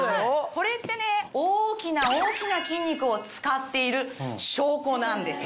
これって大きな大きな筋肉を使っている証拠なんです。